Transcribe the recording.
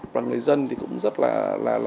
và người dân thì cũng rất là